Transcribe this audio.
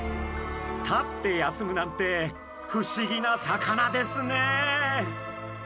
立って休むなんて不思議な魚ですね。